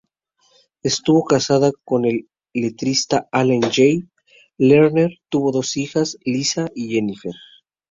Estuvo casada con el letrista Alan Jay Lerner, tuvo dos hijas, Liza y Jennifer.